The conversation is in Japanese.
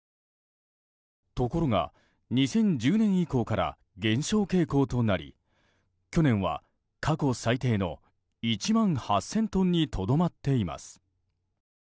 ところが、２０１０年以降から減少傾向となり去年は過去最低の１万８０００トンにとどまっています。